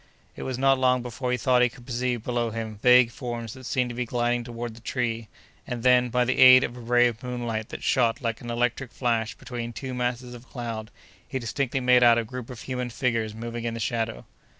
It was not long before he thought he could perceive below him vague forms that seemed to be gliding toward the tree, and then, by the aid of a ray of moonlight that shot like an electric flash between two masses of cloud, he distinctly made out a group of human figures moving in the shadow.